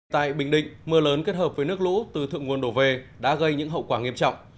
tại bình định mưa lớn kết hợp với nước lũ từ thượng nguồn đổ về đã gây những hậu quả nghiêm trọng